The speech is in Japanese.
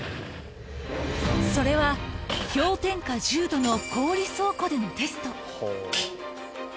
それは、氷点下１０度の氷倉庫でのテスト。